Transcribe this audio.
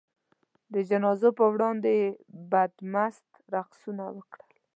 د جنازو په وړاندې یې بدمست رقصونه وکړل.